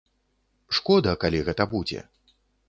Шкода, калі гэта будзе.